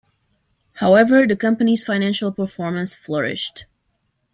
However, the company's financial performance flourished.